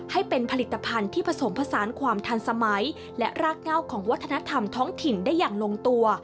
ให้เป็นผลิตภัณฑ์ที่ผสมผสานความทันสมัยและรากเง่าของวัฒนธรรมท้องถิ่นได้อย่างลงตัว